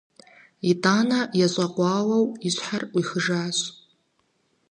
ИтӀанэ ещӀэкъуауэу и щхьэр Ӏуихыжащ.